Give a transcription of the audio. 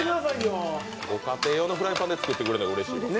家庭用のフライパンで作ってくれるの、うれしいわ。